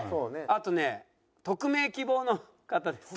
あとね匿名希望の方です。